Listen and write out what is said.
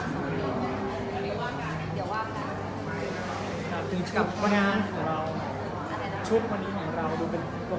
ชุดวันนี้ของเราดูเป็นตัวของตัวเองมาก